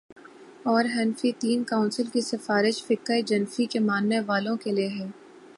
اورحنفی تین کونسل کی سفارش فقہ حنفی کے ماننے والوں کے لیے ہے۔